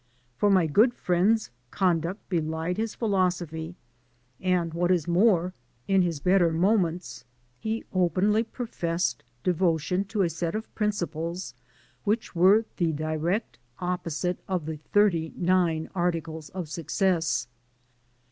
For my good friend's conduct belied his philosophy; and, what is more, in his better moments he openly pro HARVEY fessed devotion to a set of principles which were the direct opposite of the thirty nine articles of success.